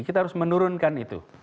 kita harus menurunkan itu